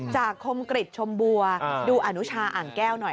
คมกริจชมบัวดูอนุชาอ่างแก้วหน่อย